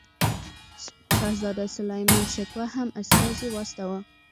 شهزاده سلیمان شکوه هم استازی واستاوه.